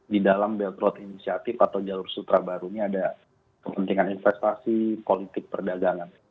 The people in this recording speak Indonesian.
di dalam belt road initiative atau jalur sutra baru ini ada kepentingan investasi politik perdagangan